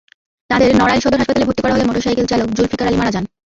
তাঁদের নড়াইল সদর হাসপাতালে ভর্তি করা হলে মোটরসাইকেলচালক জুলফিকার আলী মারা যান।